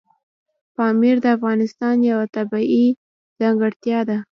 پامیر د افغانستان یوه طبیعي ځانګړتیا ده.